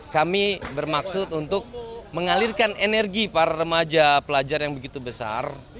kami bermaksud untuk mengalirkan energi para remaja pelajar yang begitu besar